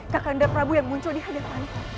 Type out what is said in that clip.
kakandar prabu yang muncul di hadapan